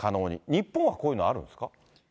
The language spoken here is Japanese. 日本はこういうのあるんですか。